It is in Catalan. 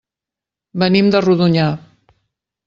Venim de Rodonyà.